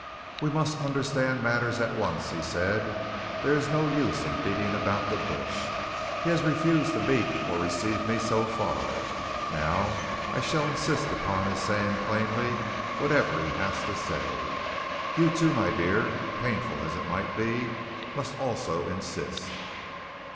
"We must understand matters at once," he said. "There is no use in beating about the bush. He has refused to meet or receive me so far now I shall insist upon his saying plainly whatever he has to say. You, too, my dear, painful as it may be, must also insist."